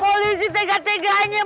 polisi tegak tegaknya yaa